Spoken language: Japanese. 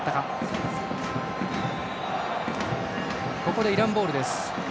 ここでイランボールです。